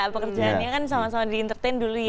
pekerjaannya kan sama sama di entertain dulu ya